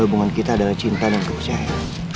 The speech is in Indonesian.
hubungan kita adalah cinta dan kepercayaan